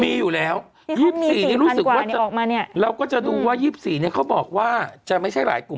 มีอยู่แล้ว๒๔นี้รู้สึกว่าเราก็จะดูว่า๒๔เนี่ยเขาบอกว่าจะไม่ใช่หลายกลุ่ม